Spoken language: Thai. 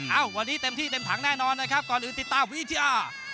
เอ้าวันนี้เต็มที่เต็มถังแน่นอนนะครับก่อนอื่นติดตามวิทยา